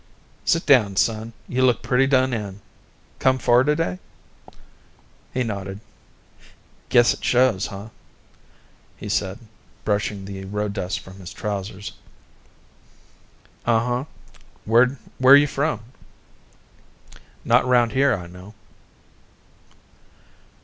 "Sit down, son, you look pretty done in. Come far today?" He nodded. "Guess it shows, huh?" he said, brushing the road dust from his trousers. "Uh huh. Where you from? Not around here, I know."